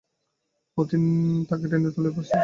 অতীন তাকে টেনে তুলে পাশে বসালে।